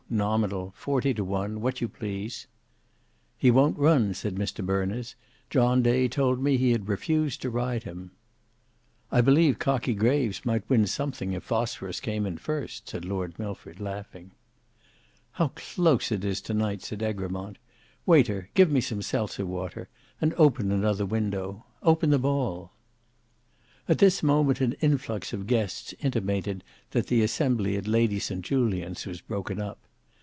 nominal; forty to one,—what you please." "He won't run," said Mr Berners, "John Day told me he had refused to ride him." "I believe Cockie Graves might win something if Phosphorus came in first," said Lord Milford, laughing. "How close it is to night!" said Egremont. "Waiter, give me some Seltzer water; and open another window; open them all." At this moment an influx of guests intimated that the assembly at Lady St Julian's was broken up.